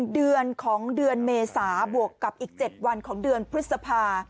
เดือนของเดือนเมษาบวกกับอีก๗วันของเดือนพฤษภา